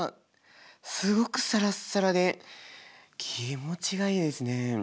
すごくサラッサラで気持ちがいいですね。